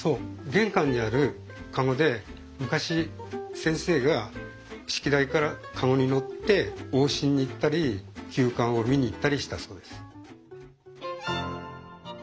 玄関にある籠で昔先生が式台から籠に乗って往診に行ったり急患を診に行ったりしたそうです。